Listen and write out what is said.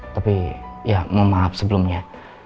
tapi ya mohon maaf sebelumnya